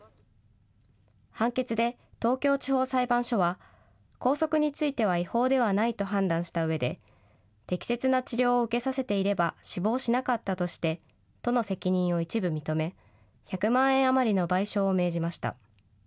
判決で、東京地方裁判所は拘束については違法ではないと判断したうえで、適切な治療を受けさせていれば死亡しなかったとして、都の責任を一部認め、１００万円余りの賠償を命じました。